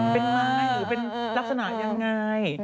เป็นไม้หรือเป็นลักษณะยังไง